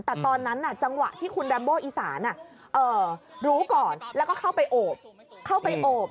แต่ตอนนั้นจังหวะที่คุณแรมโบอีสานรู้ก่อนแล้วก็เข้าไปโอบเข้าไปโอบ